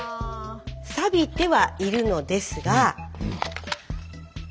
サビてはいるのですが何？